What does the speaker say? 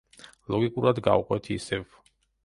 ლოგიკურად გავყვეთ ისევ.